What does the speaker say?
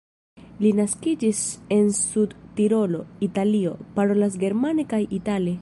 Li naskiĝis en Sud-Tirolo, Italio, parolas germane kaj itale.